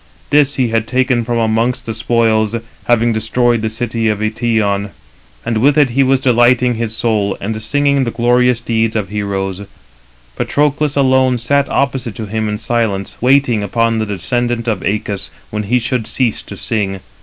This he had taken from amongst the spoils, having destroyed the city of Eëtion, and with it he was delighting his soul, and singing the glorious deeds 298 of heroes. Patroclus alone sat opposite to him in silence, waiting upon the descendant of Æacus when he should cease to sing.